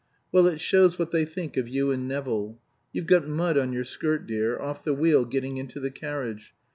Well, it shows what they think of you and Nevill. You've got mud on your skirt, dear off the wheel getting into the carriage.